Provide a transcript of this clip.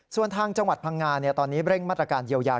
ส่วนทางจังหวัดพังงาตอนนี้เร่งมาตรการเยียวยา